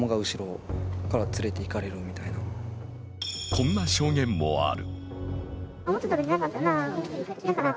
こんな証言もある。